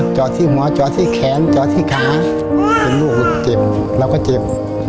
จอดที่หมอจอดที่แขนจอดที่ขาเห็นลูกเจ็บเราก็เจ็บ